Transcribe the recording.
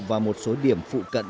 và một số điểm phụ cận